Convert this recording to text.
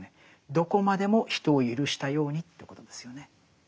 どこまでも人をゆるしたようにということですよね。